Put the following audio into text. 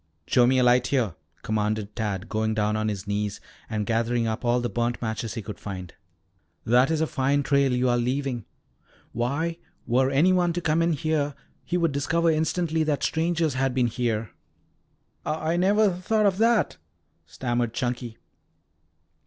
"Show me a light here," commanded Tad going down on his knees and gathering up all the burnt matches he could find. "That is a fine trail you are leaving. Why, were any one to come in here, he would discover instantly that strangers had been here." "I I never thought of that," stammered Chunky.